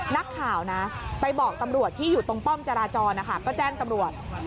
นักข่าวนะไปบอกตำรวจที่อยู่ตรงป้อมจราจรนะคะก็แจ้งตำรวจ